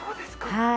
はい。